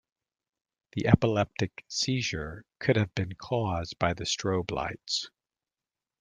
The epileptic seizure could have been cause by the strobe lights.